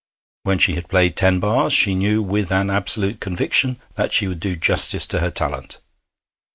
When she had played ten bars she knew with an absolute conviction that she would do justice to her talent.